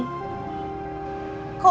kok belum tahu